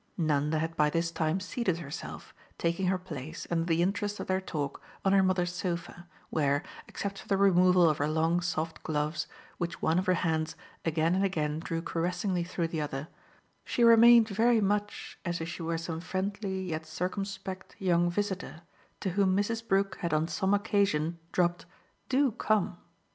Nanda had by this time seated herself, taking her place, under the interest of their talk, on her mother's sofa, where, except for the removal of her long soft gloves, which one of her hands again and again drew caressingly through the other, she remained very much as if she were some friendly yet circumspect young visitor to whom Mrs. Brook had on some occasion dropped "DO come."